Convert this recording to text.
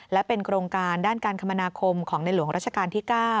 และเป็นโครงการด้านการคมนาคมของในหลวงราชการที่๙